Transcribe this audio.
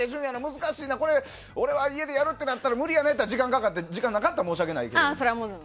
難しいわこれは俺は家でやるってなったら無理やで時間かかって時間がなくなったら申し訳ないけど。